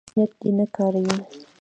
نېټ دې نه کاروي